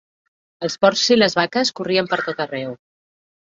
Els porcs i les vaques corrien per tot arreu.